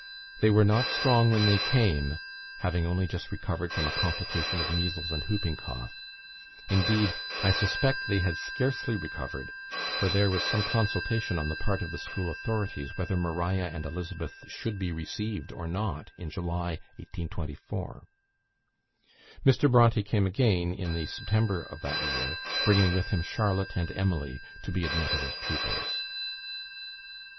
They were not strong when they came, having only just recovered from a complication of measles and hooping cough: indeed, I suspect they had scarcely recovered; for there was some consultation on the part of the school authorities whether Maria and Elizabeth should be received or not, in July 1824. Mr. Bronte came again, in the September of that year, bringing with him Charlotte and Emily to be admitted as pupils.